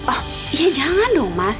ah ya jangan dong mas